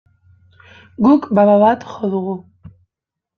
Guk baba bat jo dugu.